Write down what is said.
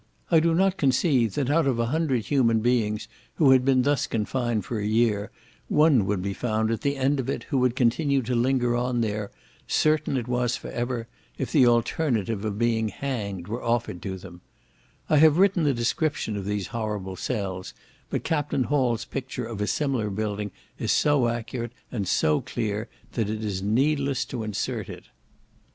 I do not conceive, that out of a hundred human beings who had been thus confined for a year, one would be found at the end of it who would continue to linger on there, certain it was for ever, if the alternative of being hanged were offered to them. I had written a description of these horrible cells, but Captain Hall's picture of a similar building is so accurate, and so clear, that it is needless to insert it. It has since been washed away by the breaking up of the frost of February, 1831.